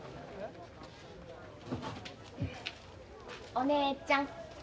お姉ちゃん。